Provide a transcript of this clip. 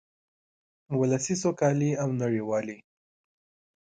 ولسي سوکالۍ او نړیوالې